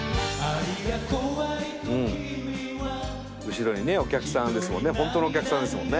後ろにねお客さんですもんね。